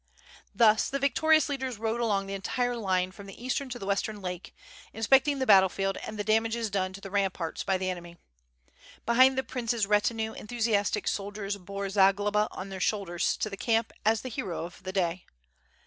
Thus the victorious leaders rode along the entire line from the eastern to the western lake, inspecting the battle field and the damages done to the ramparts by the enemy. Behind the prince's retinue enthusiastic soldiers bore Za globa on their shoulders to the camp as the hero of the day.